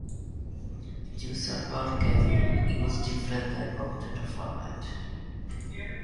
Jio server বিভিন্ন রকম data format ব্যবহার করতে পারে।